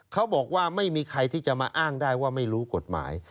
เขาบอกว่าไม่มีใครที่จะมาอ้างได้ว่าไม่รู้กฎหมาย